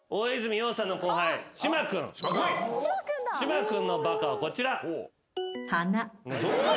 島君のバカはこちら。